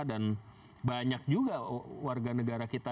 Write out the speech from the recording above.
dan banyak juga warga negara kita